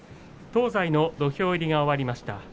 東西の土俵入りが終わりました。